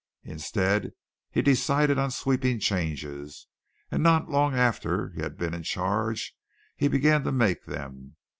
Instead he decided on sweeping changes and not long after he had been in charge he began to make them.